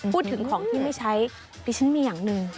พูดถึงของที่ไม่ใช้ดิฉันมีอย่างหนึ่ง